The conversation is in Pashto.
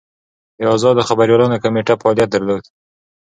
د ازادو خبریالانو کمېټه فعالیت درلود.